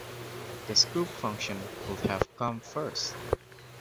The scoop function would have come first.